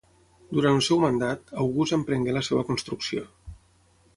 Durant el seu mandat, August emprengué la seva construcció.